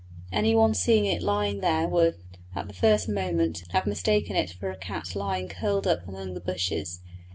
Any one seeing it lying there would, at the first moment, have mistaken it for a cat lying curled up asleep among the bushes.